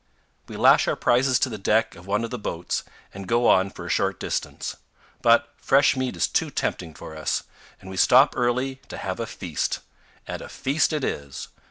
We lash our prizes to the deck of one of the boats and go on for a short distance; but fresh meat is too tempting for us, and we stop early to have a feast. And a feast it is!